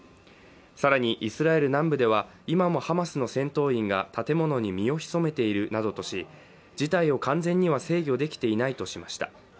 更に、イスラエル南部では今もハマスの戦闘員が建物に身を潜めているなどとし事態を完全には制御できていないとしました。